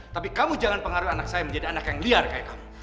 tapi kamu jangan pengaruhi anak saya menjadi anak yang liar kayak kamu